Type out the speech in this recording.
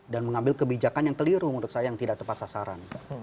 dan mengambil kebijakan yang keliru menurut saya yang tidak tepat sasaran